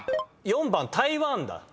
４番「台湾」だ。